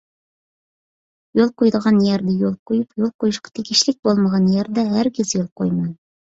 يول قويىدىغان يەردە يول قويۇپ، يول قويۇشقا تېگىشلىك بولمىغان يەردە ھەرگىز يول قويماڭ.